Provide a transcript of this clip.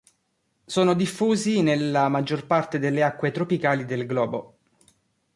Sono diffusi nella maggior parte delle acque tropicali del globo.